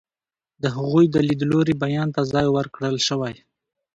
د هغوی د لیدلوري بیان ته ځای ورکړل شوی.